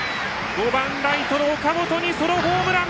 ５番ライトの岡本にソロホームラン！